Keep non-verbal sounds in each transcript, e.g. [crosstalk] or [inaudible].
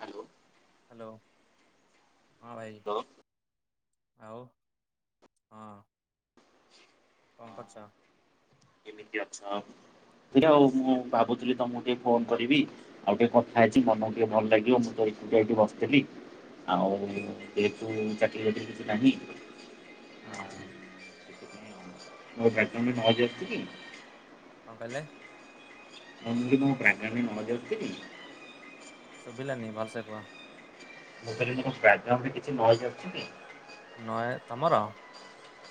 Hello. Hello ହଁ ଭାଇ hello ଆଉ ହଁ ହଁ କଣ କରୁଛ? କେମିତି ଅଛ? ଏଇଟା ଆଉ ମୁଁ ଭାବୁଥିଲି ତମକୁ ଟିକେ ଫୋନ କରିବି, ଆଉ ଟିକେ କଥା ହୁଁ ହେଇଛି ମନକୁ ଟିକେ ଭଲ ଲାଗିବ ମୁଁ ତ ଏକୁଟିଆ ଏଠି ବସିଥିଲି। ଆଉ' ଯେହେତୁ ଚାକିରି, ବାକିରି କିଛି ନାହିଁ ହୁଁ ହ। ହୁଁ ବଟମେଟ ହଁ ହଜିଯାଇଛି କି? [unintelligible] କଣ କହିଲେ? [unintelligible] ଶୁଭିଲାନି ଭଲସେ କୁହ। ମୁଁ କହିଲି କି ବ୍ୟାକଗ୍ରାଉଣ୍ଡରେ କିଛି ନଏଜ ଆସୁଛି କି? ନଏ ତମର?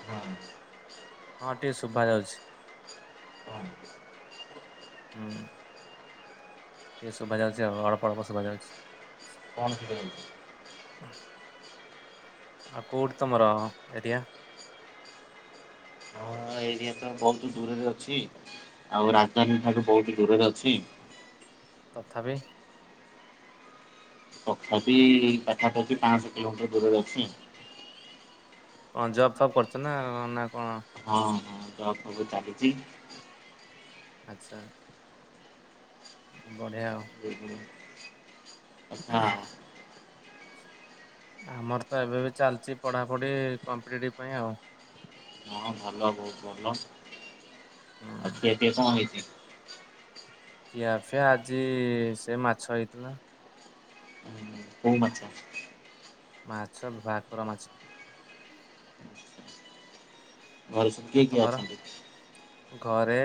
ହଁ। ହଁ ଟିକେ ଶୁଭା ଯାଉଛି। ହ [unintelligible] ହୁଁ। ଟକେ ଶୁଭା ଯାଉଚି ଅଳପ ଅଳପ ଶୁଭା ଜାଉଛି। କଣ ଶୁଭା ଯାଉଛି। ଆ କୋଉଠି ତମର ଏରିଆ। ହଁ ଏରିଆ ତ ବହୁତ ଦୂରରେ ଅଛି ଆଉ ତ- ରାଜଧାନୀ ଠାରୁୁ ବହୁତ ଦୂରରେ ଅଛି। ହ ତଥାପି। ତଥାପି ପାଖା ପାଖି ପାଆଁଶ କିଲୋମିଟର ଦୂରରେ ଅଛି। ହଁ ଜବ ଫବ୍ କରୁଛ ନା ନା। କଣ? ହଁ ହଁ ଜବ ଫବ ଚାଲିଛି। ଆଚ୍ଛା। ବଢିଆ ଆଉ। ଆଚ୍ଛା। ଆମର ତ ଏବେ ବି ଚାଲିଛି ପଢାପଢି କମ୍ପିଟେଟିଭ ପାଇଁ ଆଉ। ହଁ ଭଲ ବହୁତ ଭଲ ଆଉ ହୁଁ ଖିଆପିଆ କଣ ହେଇଛି। ଖିଆ ପିଆ ଆଜି ସେ ମାଛ ହେଇଥିଲା। କୋଉ ମାଛ? ମାଛ ଭାକୁର ମାଛ। ଘରେ ସବୁ ଆଉ କିଏ କିଏ ତମର? ଅଛନ୍ତି। ଘରେ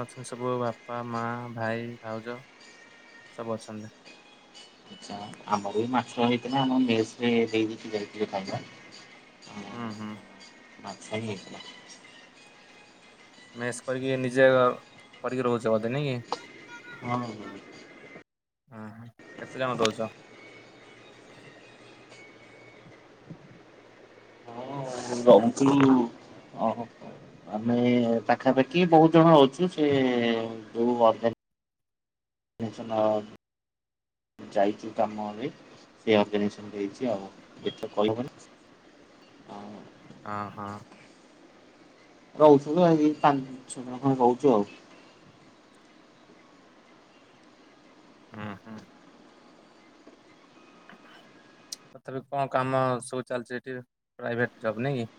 ଅଛନ୍ତି ସବୁ ବାପା ମା ଭାଇ ଭାଉଜ। ସବୁ ଅଛନ୍ତି। ଆଛା ଆମର ବି ମାଛ ହେଇଥିଲା ଆମ ମେସ ରେ ଦେଇ ଦେଇକି ଯାଇଥିଲେ ଖାଇବା। ହୁଁ ହୁଁ। ମାଛ ହିଁ ହେଇଥିଲା। ମେସ୍ କରିକି ନିଜେ ଅ କରିକି ରହୁଛ ବୋଧେ ନାଇ କି? ହଁ ହ। ଉଁ ହୁଁ କେତେ ଜଣ ରହୁଛ? ଆଗରୁ ରହୁଥିଲୁ। ଓହୋ ଆମେ ପାଖାପାଖି ବହୁତ ଜଣ ଅଛୁ ସେ ଯୋଉ ଅର୍ଗା ନାଇଯେସ୍ନ ଯାଇଛୁ କାମରେ। ସେ ଅର୍ଗାନାଇେସନ୍ ଦେଇଛି ଆଉ ଏଠି ଆଉ କହି ହବନି ଆଉ। ହଁ ହଁ। ରହୁଥିଲୁ ଏଇ ପାଞ୍ଚ ଛଅ ଜଣ ଖଣ୍ଡେ ରହୁଛୁ ଆଉ। ହୁଁ ହୁଁ। [inaudible] ତଥାପି କଣ କାମ ସବୁ ଚାଲିଛି ଏଠି ପ୍ରାଇଭେଟ୍ ଜବ୍ ନାହିଁ କି?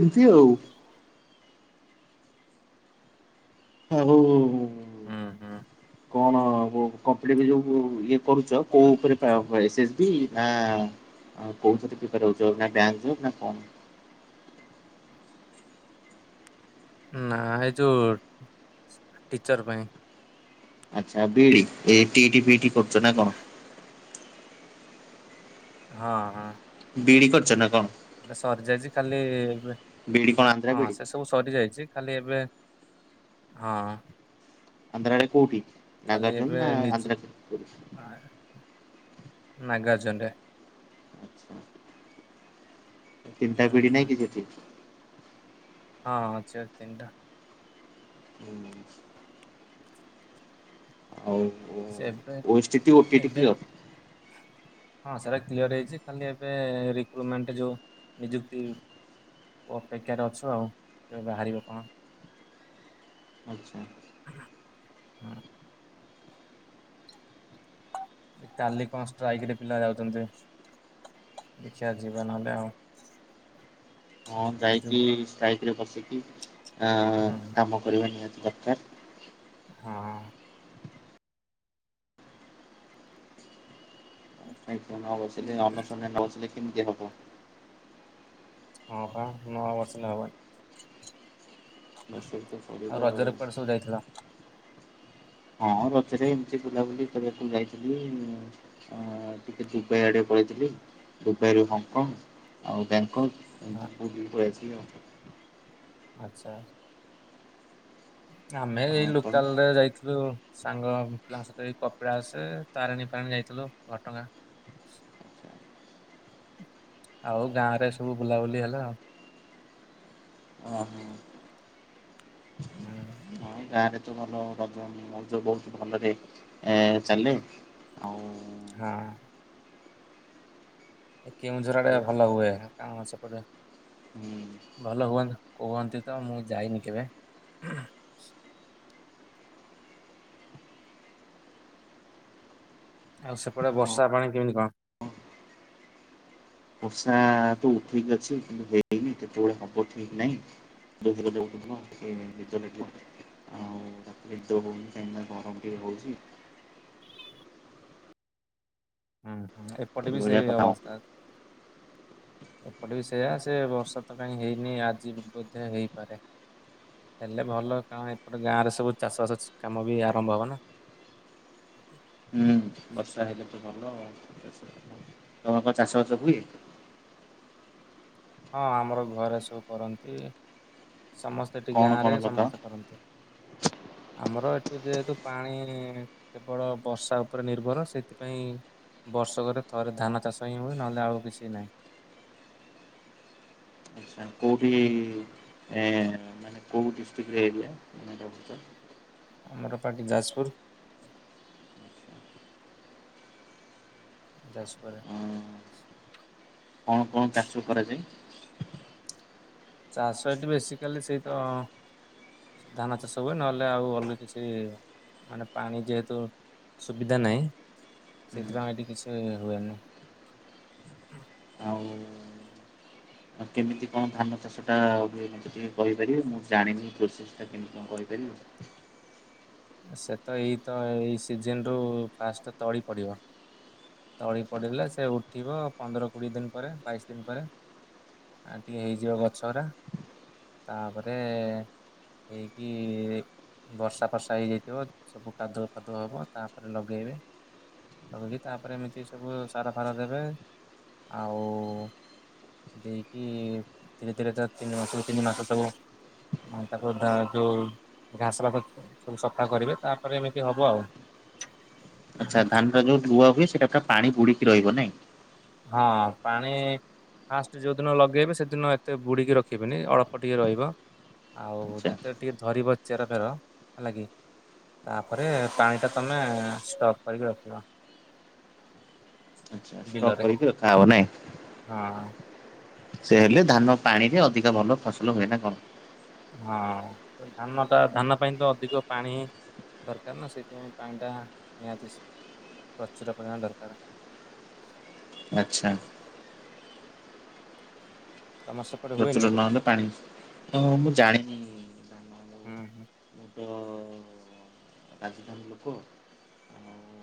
ଏମତି ଆଉ ହଉ। ହୁଁ ହୁଁ [unintelligible] ଯୋଉ ଇଏ କରୁଚ କୋଉ ଉପରେ ପ୍ରାୟ ଏସ୍, ଡି ନା ଆ କୋଉଥିରେ ପ୍ରିପାର ହଉଛ ବ୍ୟାଙ୍କ ରେ ନା କଣ? ନା ଏଇ ଯୋଉ ଟିଚର ପାଇଁ। ଆଚ୍ଛା B, D A, T, D, B, D କରୁଛ ନା କଣ? ହଁ ହଁ। ବି, ଡ଼ି କରିଛ ନା କଣ? ସରିଯାଇଛି ଖାଲି ବିଇଡି କଣ ଆନ୍ଧ୍ରା ହଁ ବିଇଡି ସେ ସବୁ ସରି ଯାଇଛି ଖାଲି ଏବେ ହଁ। ଆନ୍ଧ୍ରା ରେ କୋଉଠି? ଖାଲି ନାଗାର୍ଜୁନ ଏବେ ନା ନିଯୁ ଆନ୍ଧ୍ରା [unintelligible] ଜ [unintelligible] ଆଚ୍ଛା [unintelligible] ହୁଁ ପିଢ଼ି ନାଇଁ ହୁଁ କି ସେଠି? ହଁ ଆଚ୍ଛା ତିନିଟା। [unintelligible] ଆଉ [unintelligible] ସେ ଏବେ ଓ, ଟି, ଟି ଏବେ କ୍ଲିୟର? ହଁ ସେଇଟା କ୍ଲିୟର ହେଇଛି ଖାଲି ଏବେ ରିକ୍ରୁମେଣ୍ଟ୍ ଯୋଉ ନିଯୁକ୍ତି ଅପେକ୍ଷାରେ ଅଛୁ ଆଉ କେବେ ବାହାରିବ କଣ? ଆଚ୍ଛା। ହୁଁ। କାଲି କଣ ଷ୍ଟ୍ରାଇକ୍ ରେ ପିଲା ଯାଉଛନ୍ତି। ଦେଖିଆ ଯିବା ନହେଲେ ଆଉ। ହଁ ଏ ଯୋଉ ଯାଇକି ଷ୍ଟ୍ରାଇକ୍ ରେ ବସିକି ହୁଁ ଆ-କାମ କରିବା ନିହାତି ଦରକାର୍। ହଁ। ଷ୍ଟ୍ରାଇକ୍ ରେ ନ ବସିଲେ ଅନଶନ ରେ ନ ବସିଲେ କେମିତି ହବ। ହଁ ପା ନବସିଲେ ହବନି। ବସିବାକୁ ତ ପଡ଼ିବ ଆଉ। ରଜରେ କୁଆଡେ ସବୁ ଯାଇଥିଲ? ହଁ ରଜରେ ଏମିତି ବୁଲାବୁଲି କରିବାକୁ ଯାଇଥିଲି ଅ ଟିକେ ଦୁବାଇ ଆଡ଼େ ପଳେଇଥି ଦୁବାଇରୁୁ ହଂକଂ ଆଉ ଆ- ବ୍ୟାଙ୍କକ୍। ବୁଲିକି ପଳେଇ ଆସିଲ ଆଉ। ଆଚ୍ଛା। ଆମେ ଆଉ ଏଇ ଆପଣ? ଲୋକାଲ ରେ ଯାଇଥିଲୁ। ସାଙ୍ଗ ପିଲାଙ୍କ ସହ କପିଳାସେ ତାରିଣୀ ଫାରିଣୀ ଯାଇଥିଲୁ ଘଟଗାଁ। [unintelligible] ଆଉ ଗାଁ ରେ ସବୁ ବୁଲାବୁଲି ହେଲା ଆଉ। ହଁ। ହୁଁ। ଗାଁ ରେ ତ ଭଲ ରଜ ମଉଜ ବହୁତ୍ ଭଲରେ ଚାଲେ ଆଉ ହଁ। କେଉଁଝର‌ ଆଡ଼େ ବହୁତ ଭଲ ହୁଏ କଣ ସେପଟେ ହୁଁ। ଭଲ ହୁଅନ୍ତୁ। କୁହନ୍ତି ତ ମୁଁ ଯାଇନି କେବେ। ଆଉ ସେପଟେ ବର୍ଷା ପାଣି କେମିତି କଣ? ବର୍ଷା ତ ଉଠେଇକି ଅଛି ହେଇନି କେତେବେଳେ ହବ ଠିକ୍ ନାହିଁ। [unintelligible] ତାରେ ନିଦ ହଉନି କାହିଁକି ନା ଗରମ ହଉଚି। ହୁଁ ହୁଁ ଏପଟେ ବି ଏଇଭଳିଆ ସେଇ କଥା ହୁଁ ଅବସ୍ଥା। ଏପଟେ ବି ସେୟା, ସେ ବର୍ଷା ତ କାହିଁ ହେଇନି ଆଜି ବୋଧେ ହେଇପାରେ। ହେଲେ ଭଲ। କାରଣ ଏପଟେ ଗାଁରେ ସବୁ ଚାଷ, ବାସ କାମ ବି ଆରମ୍ଭ ହବ ନା। ହୁଁ। ବର୍ଷା ହେଲେ ତ ଭଲ। ଆଉ ତମର କଣ ଚାଷ, ବାସ ହୁଏ? ହଁ ଆମର ଘରେ ସବୁ କରନ୍ତି। ସମସ୍ତେ ଏଠି କଣ କଣ ଗାଁରେ ଲଗାଅ? ସମସ୍ତେ କରନ୍ତି, ଆମର ଯେହେତୁ, ଯେହେତୁ ପାଣି କେବଳ ବର୍ଷା ଉପରେ ନିର୍ଭର, ସେଥିପାଇଁ ବର୍ଷକରେ ଥରେ, ଧାନ ଚାଷ ହିଁ ହୁଏ। ନହେଲେ ଆଉ' କିଛି ନାହିଁ। [inaudible] ଆଚ୍ଛା କୋଉଠି ଏ, ମାନେ କୋଉ ଡିଷ୍ଟ୍ରିକ୍ଟରେ ଏରିଆ? ତମେ ଯାଉଛ? ଆମର ପାଟି ଯାଜପୁର। ଯାସ ପରେ। କଣ, କଣ ଚାଷ କରାଯାଏ? ଚାଷ ଏଠି ବେସିକାଲି ସେଇତ ଧାନ ଚାଷ ହୁଏ। ନହେଲେ ଆଉ' ଅନ୍ୟ କିଛି, ମାନେ ପାଣି ଯେହେତୁ ସୁବିଧା ନାହିଁ। ସେଥିପାଇଁ ଏଠି କିଛି ହୁଏନି। ହ, କଣ ଧାନ ଚାଷ ଟା ହୁଏ, ମତେ ଟିକେ କହିପାରିବେ? ମୁଁ ଜାଣିନି ପ୍ରୋସେସ ଟା କେମିତି କଣ, କହିପାରିବେ? ସେ ତ ଏଇ ତ ଏଇ ସିଜିନ ରୁ, ଫାଷ୍ଟ ତଳି ପଡିବ। ତଳି ପଡିିଲେ ସେ ଉଠିବ। ପନ୍ଦର, କୋଡିଏ ଦିନ ପରେ, ବାଇଶ ଦିନ ପରେ। ଆଉ ଟିକେ ହେଇଯିବ, ଗଛ ରା। ତାପରେ ହେଇକି ବର୍ଷା, ଫର୍ଷା ତା, ହେଇଯାଇଥିବ ସବୁ କାଦୁଅ, ଫାଦୁଅ ହବ ତାପରେ ଲଗେଇବେ। ଲଗେଇକି ତା ପରେ ଏମିତି ସବୁ, ସାର, ଫାର ଦେବେ। ଆଉ' ଦେଇକି ଧୀରେ, ଧୀରେ ତା ତିନି ମାସରୁ ତିନି ମାସ ସବୁ ତାକୁ ତା ଯୋଉ, ଘାସ ଫାସ ସବୁ ସଫା କରିବେ। ତାପରେ ଏମିତି ହବ ଆଉ'। ଆଚ୍ଛ,। ଧାନା ଟା ଯୋଉ ଧୂଆ ହୁଏ, ସେଇଟା ପୁରା ପାଣି ବୁଡିକି ରହିବ ନାଇଁ? ହଁ, ପାଣି ଫାଷ୍ଟ ଯୋଉଦିନ ଲଗେଇବେ, ସେଦିନ ଏତେ ବୁଡିକି ରଖିବେନି, ଅଳ୍ପ ଟିକେ ରହିବ। ଆଉ ଆଚ୍ଛା। ଯେତେବେଳେ ଟିକେ ଧରିବ ଚେର, ଫେର ହେଲା କିି ତା ପରେ ପାଣି ଟା ତମେ ଷ୍ଟପ କରିକି ରଖିବ। ଆଛା ଆଛା। ଷ୍ଟପ ବିଲରେ କରିକି ରଖାହେବ ନାହିଁ? ହଁ। ସେ ହେଲେ, ଧାନ ପାଣିରେ ଅଧିକ ଭଲ ଫସଲ ହୁଏ। ନା କଣ? ହଁ ଧାନ ଟା, ଧାନ ପାଇଁ ତ ଅଧିକ ପାଣି ଦରକାର ନା। ସେଇଥିପାଇଁ ପାଣି ଟା ନିହାତି, ପ୍ରଚୁର ପରିମାଣ ଦରକାର। ଆଛା। ତମର ସେପଟେ ହୁଏନି ପ୍ରଚୁର ନହେଲେପାଣି, ମୁଁ ଜାଣିନି। ଧାନ ମୁଁ ହୁଁ, ହୁଁ। ତ ରାଜଧାନୀ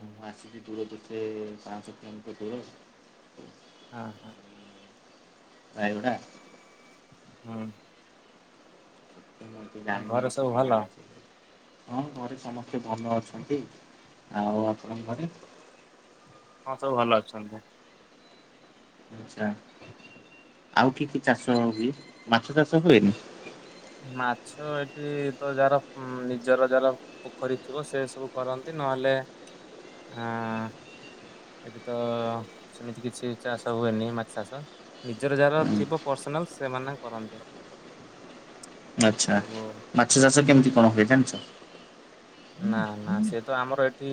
ହୁଁ। ଏଠି ଦୂର ଯେତେ, ପାଞ୍ଚଶହ କିଲୋମିଟର ଦୂର। ଆ ହାଃ। ରାୟଗଡା। ହୁଁ। ମୁଁ କିଛି ଆଉ ଜାଣିନି ଘରେ କିଛି ସବୁ ଭଲ? କଣ ହୋଇଛି? ହଁ ଘରେ ସମସ୍ତେ, ଭଲ ଅଛନ୍ତି। ଆଉ ଆପଙ୍କ ଘରେ? ହଁ ସବୁ ଭଲ ଅଛନ୍ତି। ଆଛା ଆଉ କିି, କି ଚାଷ ହୁଏ? ମାଛ ଚାଷ ହୁଏନି? ମାଛ ଏଠି ତ ଯାହାର ନିଜର ଯାହାର ପୋଖରୀ ଥିବ, ସେ ସବୁ କରନ୍ତି ନହେଲେ ହଁ। ଏଠି ତ ସେମିତି କିଛି ଚାଷ ହୁଏନି, ମାଛ ଚାଷ ନିଜର ଯାହାର ହୁଁ, ଥିବ। ପର୍ସନାଲ ସେମାନେ କରନ୍ତି। ଆଛା ସବୁ ମାଛ ଚାଷ ହୁଁ କେମିତି କଣ ହୁଏ ଜଣିିଛ। ନା ନା ସେ ତ ଆମର ଏଠି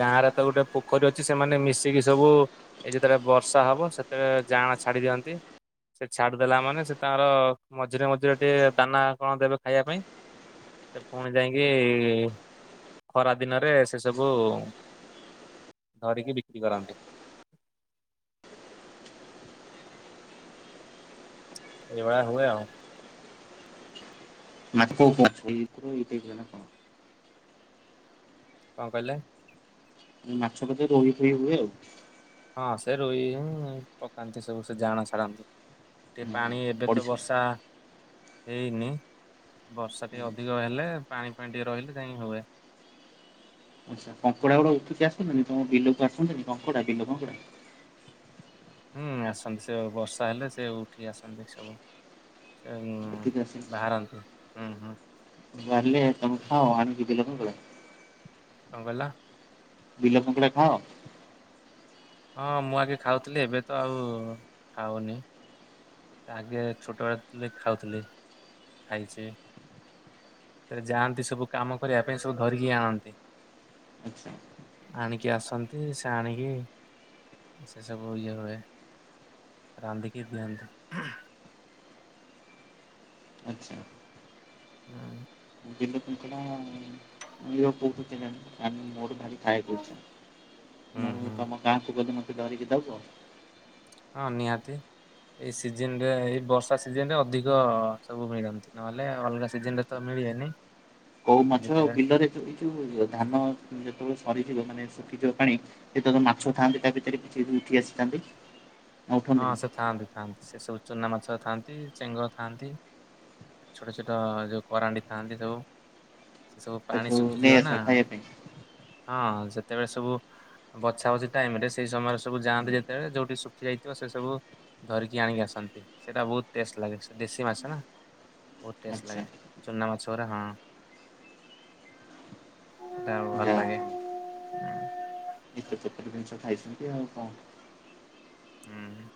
ଗାଁ ରେ ତ ଗୋଟେ ପୋଖରୀ ଅଛିଲ ସେମାନେ ମିଶିକି ସବୁ ଏ ଯେତେବେଳେ ବର୍ଷା ହବ ସେତେବେଳେ ଜାଁଆଳା ଛାଡି ଦିଅନ୍ତି। ସେ ଛାଡିଦଲା ମାନେ ସେ ତାଙ୍କର ମଝିରେ ମଝିରେ ଟିକେ ଦାନା କଣ ଦେବେ ଖାଇବା ପାଇଁ ସେ ପୁଣି ଯାଇକି ଖରା ଦିନରେ ସେ ସବୁ ଧରିକି ବିକ୍ରି କରାନ୍ତି। [inaudible] ଏ ଭଳିଆ ହୁଏ ଆଉ। ମତେ [unintelligible] କ କ କ ଇତ କ ନା କହ କଣ କହିଲେ। ମାଛ ବୋଧ୍ ହୁଏ ରୋହି ଫୋହି ହୁଏ ଆଉ ହଁ ସେ ରୋହୀ ହିଁ ପକାନ୍ତି ସବୁ ସେ ଜାଆଁଳା ଛାଡନ୍ତି। ହୁଁ ହୁଁ ପାଣି ଏବେ ତ ପଡିଶା ହୁଁ। ବର୍ଷା, ହେଇନି। ବର୍ଷା ଟିକେ ଅଧିକ ହେଲେ ପାଣି ଫାଣି ଟିକେ ରହିଲେ ଯାଇଁକି ହୁଏ। [inaudible] ଆଛା କଙ୍କଡା ଗୁଡା ଉଠିକି ଆସନ୍ତିନି, ତମ ବିଲକୁ ଆସନ୍ତିନି କଙ୍କଡା ବିଲ କଙ୍କଡା। ହୁଁ ଆସନ୍ତି, ସେ ବର୍ଷା ହେଲେ ସେ ଉଠି ଆସନ୍ତି ସବୁ। ଉ ଉଠିକି ଆସନ୍ତି। ବାହାରନ୍ତୁ। ବାହାରିଲେ ତମେ ଖାଅ, ଆଣିକି ବିଲ କଙ୍କଡ଼ା। କଣ କହିଲ? ବିଲ କଙ୍କଡ଼ା ଖାଅ। ହଁ ମୁଁ ଆଗେ ଖାଉଥିଲି ଏବେ ତ ଆଉ ଖାଉନି। ଆଗେ ଛୋଟ ହେଇଥିଲି ଖାଉଥିଲି ଖାଇଛି। ଆରେ ଯାଆନ୍ତି ସବୁ କାମ କରିବା ପାଇଁ ସବୁ ଧରିକି ଆଣନ୍ତି। ଆଚ୍ଛା ଆଣିକି ଆସନ୍ତି ସେ ଆଣିକି ସେ ସବୁ ଇଏ ହୁଏ, ରାନ୍ଧିକି ଦିଅନ୍ତି। ଆଚ୍ଛା। ହୁଁ। ବିଲ କଙ୍କଡା ଇଏ କୋଉଠୁ କେଜାଣି? ଆମେ ମୋର ଭାରି ଖାଇବାକୁ ଇଚ୍ଛା, ହୁଁ ମୁଁ ହୁଁ ତମ ଗାଁଆକୁ ଗଲେ ମତେ ଧରିକି ଦେବ। ହଁ ନିହାତି। ଏଇ ସିଜନ ରେ ଏଇ ବର୍ଷା ସିଜନ ରେ ଅଧିକ ସବୁ ମିଳନ୍ତି, ନହେଲେ ଅଲଗା ସିଜନ ରେ ତ ମି ଳେନି କୋଉ ମାଛ ଆଉ ବିଲରେ ଏଇ ଯୋଉ ଧାନ ଯେତେବେଳେ ମରିଯିବ ମାନେ ଶୁଖିଯିବ ପାଣି ସେତେବେଳେ ମାଛ ଥାଆନ୍ତି ତା ଭିତରେ କିଛି ଉଠି ଆସିଥାନ୍ତି। ନା ହଁ ଉଠନ୍ତିନି ସେ ଥାଆନ୍ତି ଥାଆନ୍ତି ସେ ସବୁ ଚୁନା ମାଛ ଥାଆନ୍ତି ଚେଙ୍ଗ ଥାଆନ୍ତି। ଛୋଟ ଛୋଟ ଯୋଉ କରାଣ୍ଡି ଥାଆନ୍ତି ସବୁ ସେ ସବୁ ପାଣି ତାକୁ ନେଇ ଶୁଖିଯିବ ଆସ ନା ଖାଇବା ପାଇଁ। ହଁ ସେତେବେଳେ ସବୁ ବଛା ବଛିି ଟାଇମ ରେ ସେଇ ସମୟରେ ସବୁ ଯାଆନ୍ତି, ଯେତେବେଳେ ଯୋଉଠି ଶୁଖି ଯାଇ ସେ ସବୁ ଧରିକି ଆଣିକି ଆସନ୍ତି, ସେଟା ବହୁତ ଟେଷ୍ଟ ଲାଗେ ସେ ଦେଶୀ ମାଛ ନା। ବହୁତ ଟେଷ୍ଟ ଆଚ୍ଛା ଲାଗେ ଚୂନା ମଛଗୁଡ଼ା ହଁ। ସେଟା ଆ ଯା ଭଲ ଲାଗେ। ହଉ ଏତେ ପ୍ରକାର ଖାଇଛନ୍ତି ଆଉ କଣ? ହୁଁ।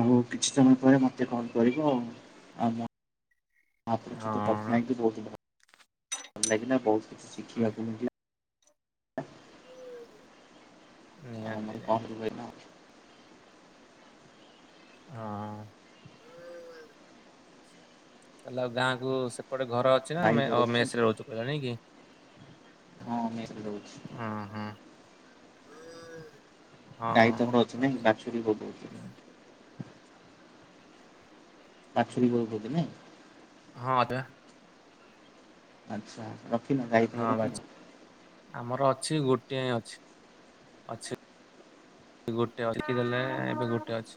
ଆଉ କିଛି ସମୟ ପରେ ମତେ କଲ୍ କରିବ ଆଉ। ଆପଣଙ୍କ ସହିତ କଥା ହୁଁ, ହେଇକି ବହୁତ ଭଲ ଲାଗିଲା ବହୁତ ହଁ। ଶିଖିବାକୁ ମିଳିଲା। ନିହାତି ନିହାତି [unintelligible] ହଁ ତାହେଲେ ଆଉ ଗାଁକୁୁ ସେପଟେ ଘର ଅଛି ନା ଗାଈ ମେ ବରଉଛି ମେସରେ ରହୁଛୁ ପୁରା ନାଇଁ କି? ହଁ ମେସ୍ ରେ ରହୁଛି। ହଁ ହଁ। ହଁ ଗାଈ ହଁ ହଁ ତମର ଅଛନ୍ତି ନାଁ ଆଚ୍ଛା। ବାଛୁରୀ ବୋଧ ହୁଏ ଅଛି। ବାଛୁରୀ ଅଛନ୍ତି ନାଇଁ। ହଁ ବା। ଆଚ୍ଛା ରଖିିନ ଗାଈ ହଁ ଫାଇ ବାଛ ରଖିନ। ଆମର ଅଛି ଗୋଟିଏଁ ଅଛି ଅଛି। ଗୋଟେ ଅଟକି ଗଲା ଏବେ ଗୋଟେ ଅଛି।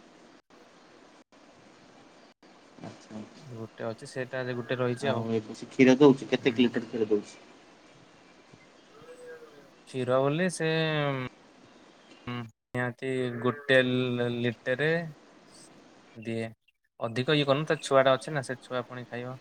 [inaudible] ଆଚ୍ଛା ଗୋଟେ ଅଛି ସେଠ୍ ଆଉ ଏବେ ସେ କ୍ଷୀର ଦଉଛି କେତେ ହୁଁ। ଲିଟର କ୍ଷୀର ଦଉଛି। କ୍ଷୀର ବୋଲି ସେ ହୁଁ ନିହାତି ଗୋଟେ ଲିଟେରେ ଦି ଅଧିକ ଇଏ କରନୁ ତା ଛୁଆ ଟା ଅଛି ନା ସେ ଛୁଆ ପୁଣି ଖାଇବ।